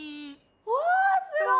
おすごい！